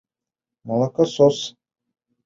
Молокосос!